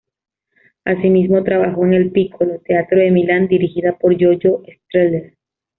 Asimismo, trabajó en el Piccolo Teatro de Milán dirigida por Giorgio Strehler.